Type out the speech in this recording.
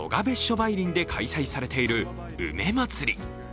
梅林で開催されている梅まつり。